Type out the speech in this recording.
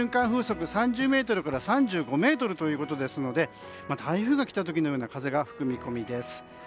風速３０メートルから３５メートルなので台風が来た時のような風が吹く見込みです。